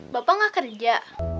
bapak gak kerja